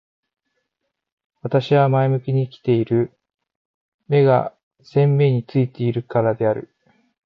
私は前向きに生きている。目が前面に付いているからである。